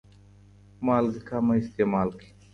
مالګه کمه استعمال کړئ.